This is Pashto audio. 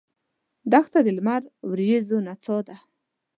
دښته د لمر وریځو نڅا ده.